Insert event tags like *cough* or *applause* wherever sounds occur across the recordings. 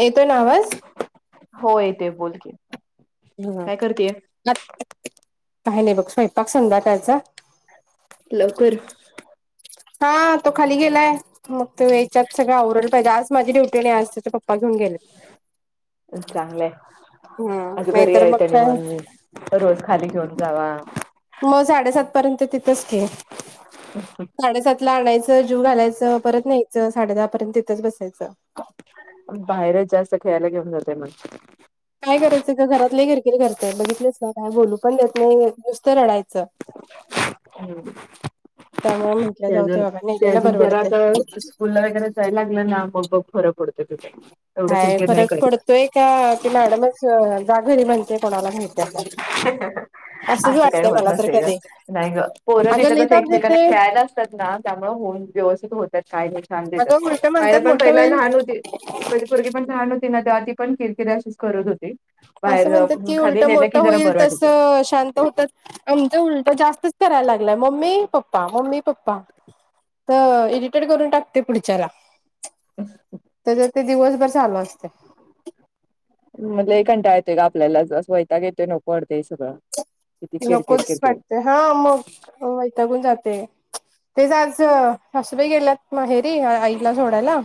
येतोय नां आवाज. हों येतेय बोल की. हां काय करतेय काही नाही बघ स्वयंपाक संध्याकाळचा लवकर? हां तो खाली गेलाय मग तो यायच्या आत सगळं आवरलं पाहिजे आज माझी ड्युटी नाही आज त्याच्या पप्पा घेऊन गेले चांगलंय हां आज नाही घरी तर आहे मग त्यानी काय मग रोज खाली घेऊन जावा मग साडेसात पर्यंत तिथच की साडेसात तिथन आणायचं, जेवु घालायचं परत न्यायचं साडे दहा पर्यंत तिथंच बसायचं. बाहेरच जास्त खेळायला घेऊन जाताय मग काय करायचंय आता घरातलं घर केिरी करतय बघितलीस ना काय बोलू पण देत नाही नुसतं रडायचं. हम्. त्यामुळे म्हटलं ते जाऊ दे अजून बाबा ते नेलेलं अजून त्याला परवडतय. आता स्कूलला वगैरे जायला लागलं ना मग बघ फरक पडतो तुझ एवढं काय किरकिर नाही फरक करत. पडतोय का ते मॅडमच जा घरी म्हणते कोणाला माहिती आता असंच असं काही वाटतंय होत मला तर नसेल ग कधी नाही ग पोरांचं अगं तिथं लई तस ताप एकमेकांना देतंय खेळायला त्यात ना त्यामुळे होऊन व्यवस्थित होतात काय नाही छान अगं देतात उलट माया म्हणतात पण मोठं पहिला होईल लहान होती म्हणजे पोरगी पण लहान होती ना तर ती पण किरकिरी अशीच करत होती. असं बाहेर म्हणतात की खाली उलटं नेलं की मोठं जरा होईल बरं वाटायचं. तसं शांत होतच आमचं उलट जास्तच करायला लागलाय मम्मी-पप्पा, मम्मी-पप्पा तर इरिटेड करून टाकतोय पुढच्याला त्याच ते दिवसभर चालू असत. *inaudible* म लय कंटाळा येतोय ग आपल्याला च अस वैताग येतोय नको वाटतंय सगळं. किती किरकिर नकोच किरकिर वाटते हां मग वैतागून जाते. तेच आज सासुबाई गेल्यात माहेरी आईला सोडायला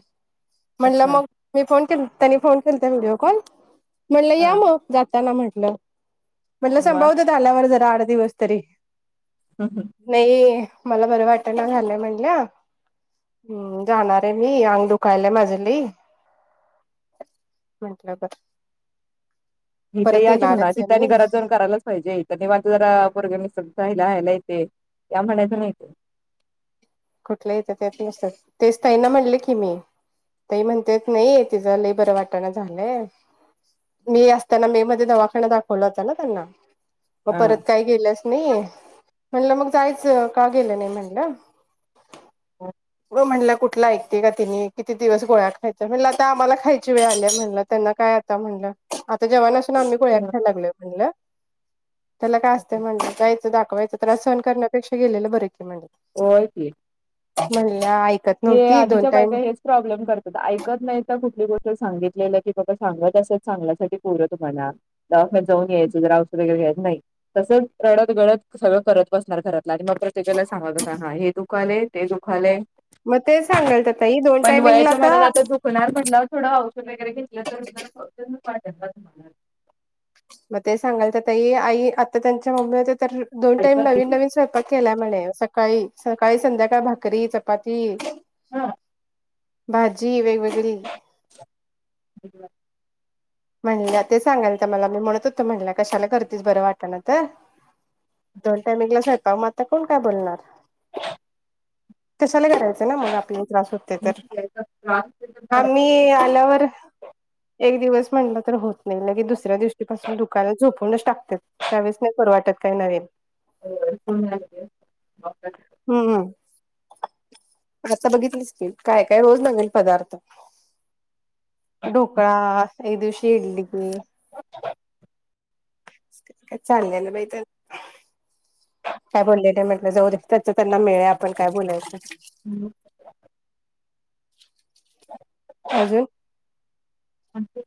म्हणलं अच्छा मग मी फोन के त्यांनी फोन केलत्या व्हिडिओ कॉल म्हणलं या हा मग जाताना म्हटलं. म्हटलं मग संभाळुदेत आल्यावर जरा आठ दिवस तरी. हं. नाही मला बरं वाटना झालंय म्हटलं हम्म जाणार आहे मी अंग दुखायलाय माझ लय म्हटलं बर इथ परत यां की म्हणाव येणारच आहे तिंथ आणि मी घरात जाऊन करायलाच पाहिजे तर निवांत जरा पोरग मिसळत रहायला येतय या म्हणायचं नाही. कुठल्या येतं त्यात नसतात तेच ताई नां म्हणले की मी. ताई म्हणतेेत नाही तिचं लई बरं वाटणा झालंय. मी असताना मे मध्ये दवाखाना दाखवला होता ना त्यांना. मग परत काही गेल्याच नाही म्हटलं मग जायचं का गेलं नाही म्हणलं मग म्हटलं कुठल ऐकतेय का तिने किती दिवस गोळ्या खायच्या म्हणलं आता आम्हांला खायची वेळ आल्या म्हणलं त्यांना काय आता म्हणल आता जेव्हा पासुन आम्ही गोळ्या खायला लागलोय म्हणल त्याला काय हा. असतय म्हणल जायच दाखवा त्रास सहण करण्यापेक्षा गेलेल बर की म्हणल. होय की. म्हणल्या की हे आधीच्या बायका हे प्रॉब्लेम करत ऐकत नाही का कुठली गोष्ट सांगितलेलं की बाबा सांगत असे चांगल्यासाठी बोलुया तुम्हांला दवाखान्यात जाऊन यायचं जरा औषध वगैरे घ्यायच नाही. तसच रडत गळत सगळं करत बसणार घरातलं, आणि मग प्रत्येकाला सांगत बसणार हा हे दुखालय ते दुखालय. मग, ते सांगालता ताई दोन टायमिंगला आता कुणाल म्हटला थोडा औषध वगैरे घेतलं तर, *unintelligible* वाटेल ना तुम्हाला. मग ते सांगाल ताई आई आता, त्यांच्या मम्मी होत्या तर दोन टाईम ऐकत नवीन नाही नवीन स्वयंपाक. केलाय म्हणे, सकाळी- सकाळी संध्याकाळ भाकरी, चपाती. ह. भाजी वेगवेगळी. *unintelligible* म्हणल्या ते सांगालत्या मला मी म्हणत होतो म्हणत्या, कशाला करतीस बरं वाटना तर. दोन टाईमिंगला स्वयंपाक मग, आता कोण काय बोलणार. कशाला करायचं ना, मग आपल्याला त्रास होतोय तर याचा त्रास आम्ही आल्यावर एक दिवस म्हटलं तर होत नाही लगे, दुसऱ्या दिवशी पासून दुकायल झोपूनच टाकतोय, त्यावेळेस नाही करु वाटत काय नविन. होय होय. ह ह. आता बघितलीस की, काय काय रोज नविन पदार्थ. ढोकळा एक दिवशी इडली. *unintelligible* काय चालले बाई त्यांच? काय बोलले नाही म्हटलं, जाऊ दे त्याच त्यांना मिळयं आपण काय बोलायचं. हम, आज हे. *unintelligible*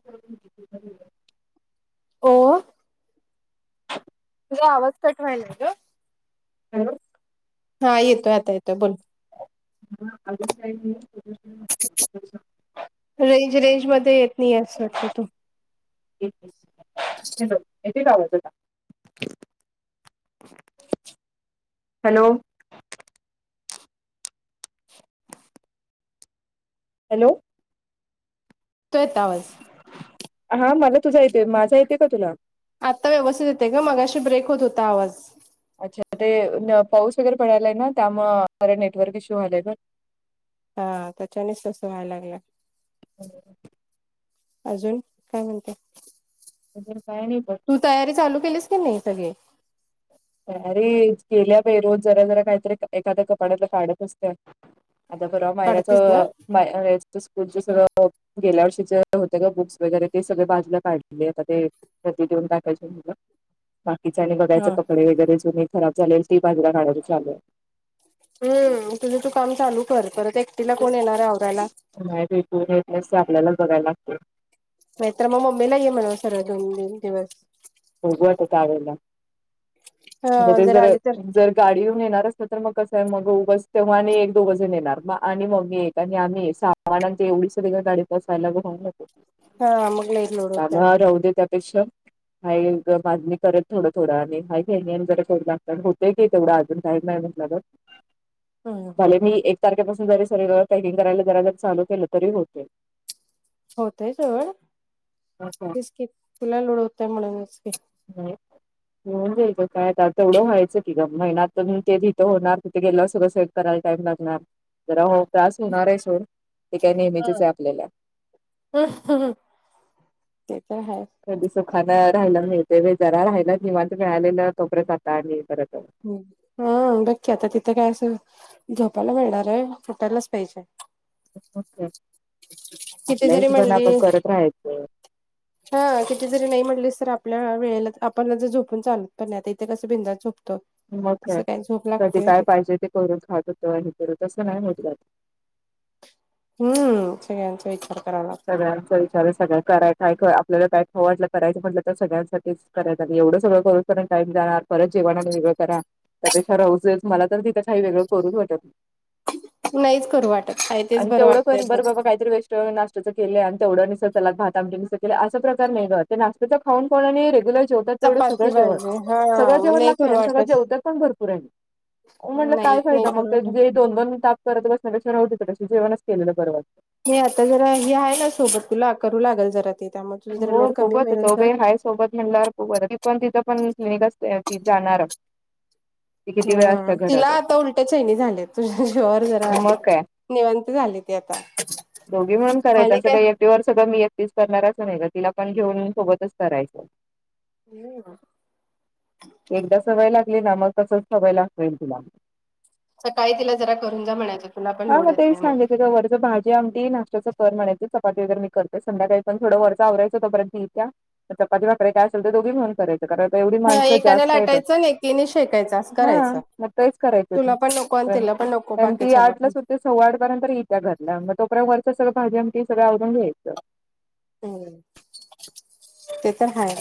हो ओ. तुझा आवाज कट व्हायलाय गं. हँलो! हा, येतोय आता येतोय बोल. ह अजून काही नाही *unintelligible* रेंज रेंज मध्ये येत नाहीयस वाटतं तू. *unintelligible* *unintelligible* हॅलो! हॅलो! येतोय आता आवाज. हा मला तुझा येतेय माझा येतेय का तुला आता व्यवस्थित येतय ग मगाशी ब्रेक होत होता आवाज अच्छा ते नं पाऊस वगैरे पडायलाय ना त्यामुळ खर नेटवर्क इशू व्हायलाय ग हा त्याच्यानीच तसं व्हायळा लागलंय. अजून काय म्हणते अजून काय नाही बघ तू तयारी चालू केलीस की नाही सगळी. तयारी केल्या बाई रोज जरा जरा काहीतरी एखाद्या कपाड्यातला काढत असत आता परवा मायराच काढतीस ना माय हे ते स्कूलचे सगळं गेल्या वर्षीचे होते का बुक्स वगैरे ते सगळ बाजूला काढलेले आता ते रद्दी देऊन टाकायचीये मला. बाकीचे आणि बघायचे हा. कपडे वगैरे जुनी खराब झालेल ते बाजूला काढायचे चालू आहे. हम्म तुझे तू काम चालू कर परत एकटीला कोण येणार आहे आवरायला. न्हाय बय पोर आहेत स आपल्याला बघायला लागत. नायतर मं मम्मीला घे म्हणाव सरळ दोन तीन दिवस बघूया आता त्यावेळेला हा बघीन जर आली तर जर गाडी घेऊन येणार असल तर मग कसं आहे मग उगस तेव्हा आणि एक दोघ जण येणार आणि मग मम्मी एक आणि आम्ही सहा आणि ते एवढी सगळी ग गाडी पास व्हयला ग होऊ जात. हा मग लई लोड होतय त्यामुळं राहु दे त्यापेक्षा हा ये ग बादमे करेल थोडं थोडं आणि हे न जरा करू लागतात होतेय की तेवढं अजून टाईम हाय म्हटलं ग *unintelligible* अ झाले मी एक तारखेपासून जरी सगळीकडे पॅकिंग करायला जरा जरी चालू केलं तरी होते. होतय सोड तेच की तुला लोड होतोय म्हणूनच की हो हो नां बाई काय आता तेवढं व्हायचं की ग महिन्यात तिथं होणार तिथे गेल्यावर संगलं सेट करायला टाईम लागणार. जरा हो त्रास होणार आहे, सोड ते काय नेहमीचच आहे आपल्याला अहं ते तर आहे. कधी सुखानं राहायला मिळते व्हय जरा राहियला निवांत मिळालेलं तो पर्यंत आता आणि परत हा बघ की आता तिथं काय असं झोपायला मिळणार आहे उटायलाच पाहिजे. *unintelligible* किती आपल्या जरी हिशोब म्हणली आपण करत राहायच. हा किती जरी नाही म्हटलीस तर आपल्या वेळेला आपणला जर झोपून चालत पण नाही आता इथे कस बिंदास झोप तो मग काय कधी काय पाहिजे ते करून खात होतो हे कर तसं नाही होत ग आत हम्म सगळ्यांचा विचार करायला सगळ्यांचा विचार आहे सगळं कराय काय आपल्याला काय खाऊ वाटलं करायचं म्हटलं तर सगळ्यांसाठीच करायचं आणि एवढं सगळं करून *unintelligible* टाईम जाणार परत जेवण आणि वेगळं करा. त्यापेक्षा रोजच मला तर तीथ काही वेगळं करू वाटत नाही. नाहीच करू वाटत आहे तेच आणि बरं वाटतंय तेवढं बघ. बरं बाबा काहीतरी वेस्ट नात त्यांच केलंय आणि तेवढं चलात भात आमटी नुसतं केल असा प्रकार नाही ग ते नाशत्यां खाऊन खाऊन आणि रेग्युल जेवतात तेवढं चपाती सगळं जेवण पाहिजे हा सगळं मग जेवण नाही लागतय करू आणि सगळं वाटत. जेवतात पण भरपूर आणि मं म्हटलं नाही काय नाही फायदा मग करू ते वाटत. जे दोन दोन ताप करत बसण्या पेक्षा राहूदे त्यापेक्षा जेवणच केलेलं बर वाटतं. नाही आता जरा ही आहे ना सोबत तुला करू लागल जरा ती त्यामध्ये हो बघू आता जाऊबाई हाय सोबत म्हणल्यावर बघू आता ती पण तिथं पण क्लिनिक असत्या ती जाणार ती किती वेळ हा असते तिला घरात आता उलट्या चैनी झाल्यात तुझ्या जीवावर जरा मग काय निवांत झाली ती आता दोघी मिळून करायचं अस काय एकटी वर सगळं मी एकटीच करणारच असं नाही ग तिला पण घेऊन सोबतच करायचं. *unintelligible* एकदा सवय लागली ना मग तसच सवय लागतील तिला सकाळी तिला जरा करून जा म्हणायचं तुला पण लोड येत नाही म. ते काय वरचा भा जे आमटी नाशत्याच कर म्हणायची चपाती वगैरे मी करते संध्याकाळी पण थोडा वरचा आवरायचा तोपर्यंत ती इत्या चपाती भाकरी काय असल ते दोघी मिळून करायंचा कारण आता एवढी हा माणसं एकाने जास्त येतात लाटायचं आणि एकीने शेकायचं असं करायचं मग तेच करायचं तुला पण नको आणि ते तिला नको *inaudible* पण बाकीच्याना आठला पण सूटतेस सवा आठ पर्यंत येत्या घरला मग तो पर्यंत वरचा सगळं भाजी आमटी सगळं आवरून घ्यायचं. हो ते तर हाय.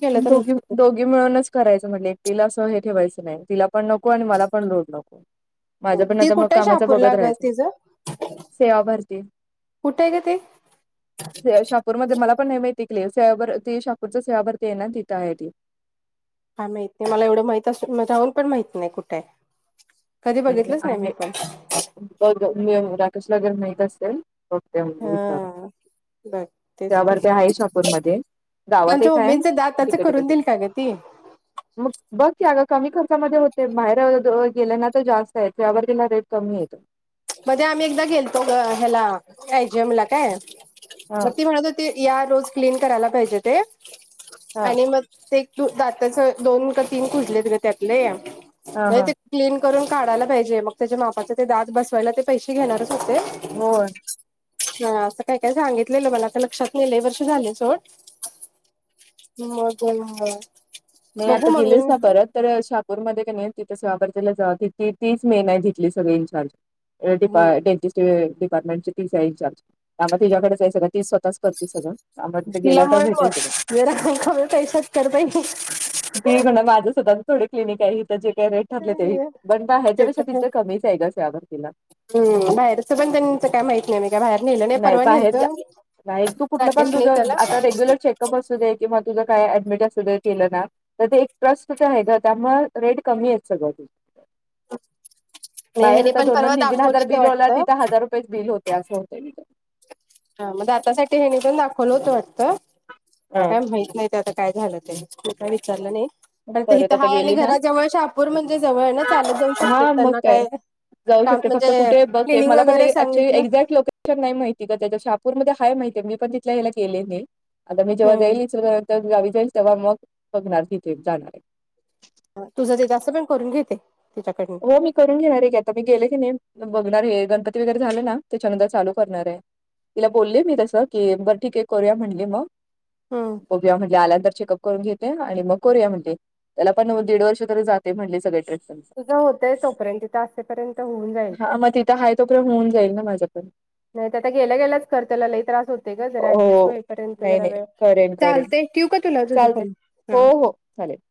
केलं तर दोघी होतंय दोघी मिळूनच करायचं म्हणले एकीला असं हे ठेवायचं नाही तिला पण नको आणि मला पण लोड नको माझं पण ती आता मग कुठे कामाचा बघत शहापूरला ग राहायचं. तिचं सेवा भरती कुठे आहे ग ते श्रेया शाप पूर मध्ये मला पण नाय माहिती क्ले सोयाभर ते शाकूरचा सेवा भरती ये ना तिथं आहे ती. काय माहित ते मला एवढं माहित असो राहून पण माहित नाही कुठे आहे? कधी बघितलंच *unintelligible* नाही मी आहे पण बघ ग मी राकेशला गर मिळत असतेल होत्या *unintelligible* चारा त्यांचा शहापूरमध्ये गावात एक आहे मम्मीचा दाताचा करून तिकडे देईल का ग ती? मग बघ की अगं कमी खर्चामध्ये होते माहेऱ्या वाग गेल्या ना तर जास्त आहे त्यावर तिला रेट कमी येतो. मध्ये आम्ही एकदा गेलतो गं ह्याला एजम ला काय हा मग ती म्हणत हो ती या रोज क्लीन करायला पाहिजे ते हा आणि मग ते एक तू दाताचा दोन का तीन खुजलेत ग त्यातले ते हा तरी हा ते क्लीन करून काढायला पाहिजे मग त्याच्या मापाचे ते दात बसवायला ते पैशे घेणारच होते. हो हा असं काय काय सांगितलेलं मला आता लक्षात नेले लई वर्ष झाले सोड *unintelligible* नाही बघू आता मम्मी गेलेच ना हम्म परत तर शहापूरमध्ये क नी तिथं सोयाबर्तीला जात होती तीच मेन आहे जिथली सगळी इनचार्ज. डिपा डेंटिस्ट डीपार्टमेंट तीच आहे इनचार्ज. आंगा तिझ्याकडेच आहे सगळं ती स्वतःच करती सगळं आंगा तिथे तिला गेल्या तर भेटेल तुला. तर पाई ती म्हणना माझं स्वतःचा थोडे क्लनिक हिथं जे काय रेट ठरले ते ही पण बंद हेच्यापेक्षा तर हाय. तिथे कमीच आहे ग सोयाबर्तीला. हम्म बाहेरचा पण त्यां काय माहित नाही मी काय बाहेर नेहलं नाही परवा नेलतं नाही राकेशने त्याला का बसू दे की म तुझं काय ऍडमिट असू दे केलं ना तर ते एक ट्रस्टचा आहे गं त्यामुळे रेट कमी आहे सगळं ते. आणि बाहेर हेनी तर पण परवा दोन-दोन, तीन-तीन हजार दाखवलीत बिल होला वाटतं. तिथं हजार तेच बिल होते असं. तिथं हा म दातासाठी हे नी पण दाखवलं होतो वाटतं त्या हा. काय माहित नाही. ते आता काय झालं ते काय विचारलं नाही. पण ते परत हिथं आता आहे आणि गेली ना घरा जवळ शाहपूर म्हणजे जवळ ना चालत जाऊ शकते हा मग त्यांना काय जाऊ काम शकते फक्त म्हणजे कुठे बघते क्लिनिंग मला पण वगैरे ऍक्चुली सांगितलं एक्झॅक्ट लोके शन नाही माहिती का त्याच्या शाहापूरमध्ये हाय माहितीय मी पण तिथल्या याला केले नाही आता मी जेव्हा हम्म गयलीचं तर गावीचा जाईल मग बघणार तिथे जाणार आहे. तुझं ते तसं पण करून घेते तिच्याकडनं. तर मी करून घेणार आहे की आता मी गेले की नाही बघणार हे गणपती वगैरे झाले ना त्याच्यानंतर चालू करणार आहे. तिला बोलले मी तसं की बर ठीके करूया म्हणली मग. हम्म. बघूया म्हटलं आल्यांतर चेकअप करून घेते आणि मग करू या म्हणते. त्याला पण दीड वर्ष तरी जाते म्हणले सगळे. *unintelligible* तुझं होतय तोपर्यंत तिथं असेपर्यंत होऊन जाईल. हाय तो पर्यंत होऊन जाईल ना माझ्याकडन नाही तर आता गेल्या गेल्याच कर त्याला लई त्रास होते ग जरा ऍडजस्ट हो होईपर्यंत नाही जरा नाही वेळ करेन करेन चालतय ठिव का तुला तुझ चालते फोन हा हो हो चालेल.